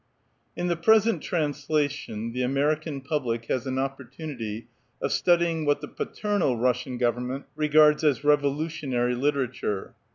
In thd present translation the American public has ati opportunity of studying what the paternal Russian govern ment regards as revolutionary literature.